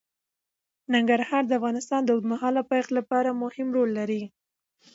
ننګرهار د افغانستان د اوږدمهاله پایښت لپاره مهم رول لري.